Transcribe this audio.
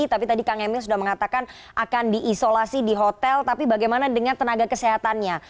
tapi tadi kang emil sudah mengatakan akan diisolasi di hotel tapi bagaimana dengan tenaga kesehatannya